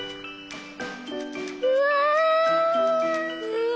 うわ！